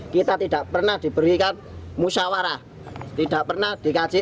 kita tidak pernah diberikan musyawarah tidak pernah dikaji